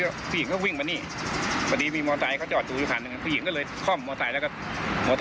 ก็ไปล่วงตรงโน้นละครับที่เห็นอยู่จะไปแผงมาเลย